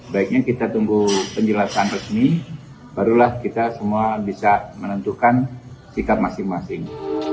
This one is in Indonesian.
baiknya kita tunggu penjelasan resmi barulah kita semua bisa menentukan sikap masing masing